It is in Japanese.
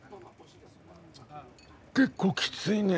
結構きついね。